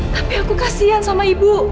tapi aku kasian sama ibu